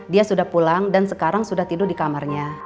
dia sudah pulang dan sekarang sudah tidur di kamarnya